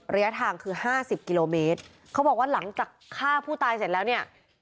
ระยะทางคือห้าสิบกิโลเมตรเขาบอกว่าหลังจากฆ่าผู้ตายเสร็จแล้วเนี่ย